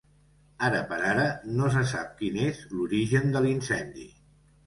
Ara per ara, no se sap quin és l’origen de l’incendi.